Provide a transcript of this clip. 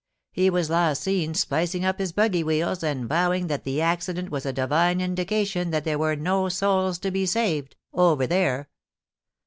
He was last seen splicing up his buggy wheels, and vowing that the accident was a divine indication that there were no souls to be saved "over there."